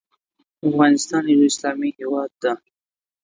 افغانستان یو اسلامې هیواد ده